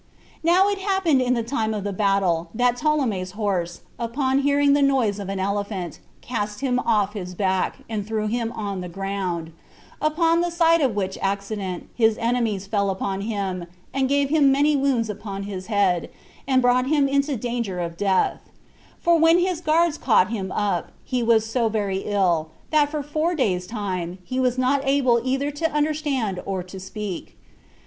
Now it happened in the time of the battle that Ptolemy' horse, upon hearing the noise of an elephant, cast him off his back, and threw him on the ground; upon the sight of which accident, his enemies fell upon him, and gave him many wounds upon his head, and brought him into danger of death; for when his guards caught him up, he was so very ill, that for four days' time he was not able either to understand or to speak.